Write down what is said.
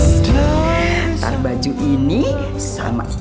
ntar baju ini sama